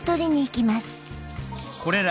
これら